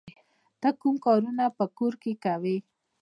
ته کوم کارونه په کور کې کوې؟